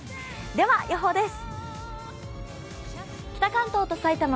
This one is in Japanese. では、予報です。